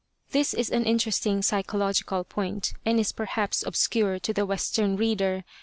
This is an interesting psychological point, and is perhaps obscure to the Western reader.